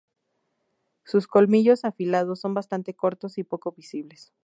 Sus colmillos afilados son bastante cortos y poco visibles.